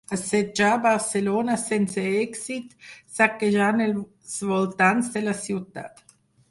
Assetjà Barcelona sense èxit, saquejant els voltants de la ciutat.